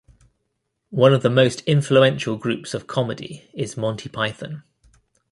One of the most influential groups of comedy is Monty Python.